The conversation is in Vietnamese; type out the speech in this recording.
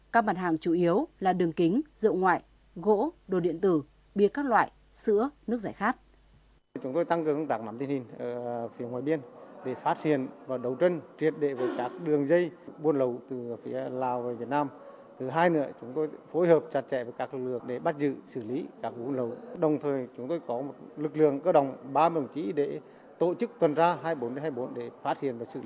các bản hàng chủ yếu là đường kính rượu ngoại gỗ đồ điện tử bia các loại sữa nước giải khát